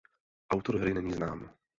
Autor hry není znám.